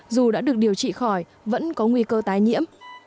dù đã được điều trị khỏi vẫn có nguy cơ tái nhiễm